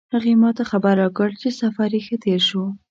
هغې ما ته خبر راکړ چې سفر یې ښه تیر شو